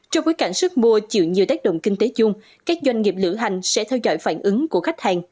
trong bối cảnh sức mua chịu nhiều tác động kinh tế chung các doanh nghiệp lửa hành sẽ theo dõi phản ứng của khách hàng